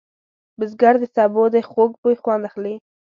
بزګر د سبو د خوږ بوی خوند اخلي